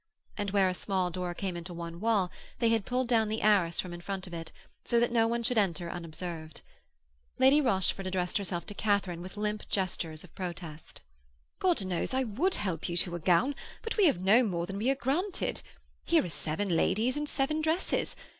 And where a small door came into one wall they had pulled down the arras from in front of it, so that no one should enter unobserved. Lady Rochford addressed herself to Katharine with limp gestures of protest: 'God knows I would help you to a gown, but we have no more than we are granted; here are seven ladies and seven dresses.